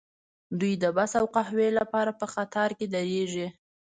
دوی د بس او قهوې لپاره په قطار کې دریږي